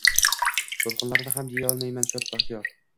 Toʼqlarni ham deyolmayman shod, baxtiyor.